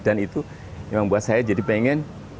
dan itu memang buat saya berpikir